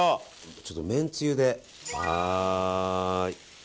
ちょっとめんつゆで、はい。